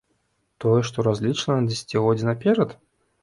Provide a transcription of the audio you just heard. Тое, што разлічана на дзесяцігоддзі наперад?